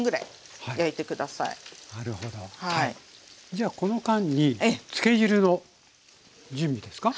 じゃあこの間につけ汁の準備ですか？